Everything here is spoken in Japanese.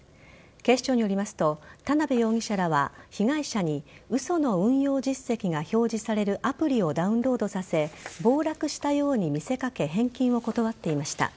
警視庁によりますと田辺容疑者らは被害者に嘘の運用実績が表示されるアプリをダウンロードさせ暴落したように見せかけ返金を断っていました。